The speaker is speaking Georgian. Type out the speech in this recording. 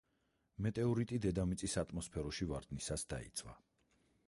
მეტეორიტი დედამიწის ატმოსფეროში ვარდნისას დაიწვა.